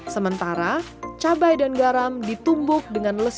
sementara cabai dan garam ditumbuk dengan lezat